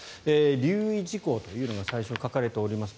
留意事項というのが最初に書かれております。